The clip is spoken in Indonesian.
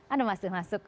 anda masih masuk